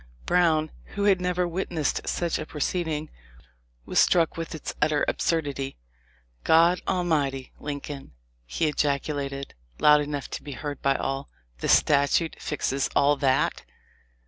Brown, who had never witnessed such a proceed ing, was struck with its utter absurdity. 'God Almighty ! Lin coln,' he ejaculated, loud enough to be heard by all, 'the statute fixes all that!'